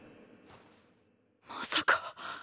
まさか。